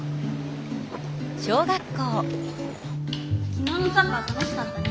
きのうのサッカー楽しかったね。